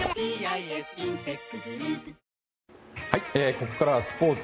ここからはスポーツ。